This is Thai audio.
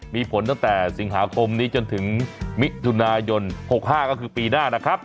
มีผลตั้งแต่สิงหาคมนี้จนถึงมิถุนายน๖๕ก็คือปีหน้านะครับ